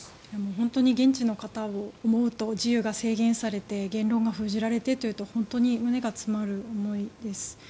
本当に現地の方を思うと自由が制限されて言論が封じられてというと本当に胸が詰まる思いです。